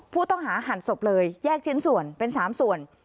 ผู้ต้องหาหั่นศพเลยแยกชิ้นส่วนเป็นสามส่วน